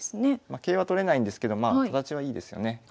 桂は取れないんですけど形はいいですよね。